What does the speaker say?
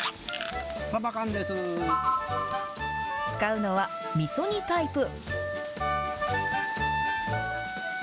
使うのは、みそ煮タイプ。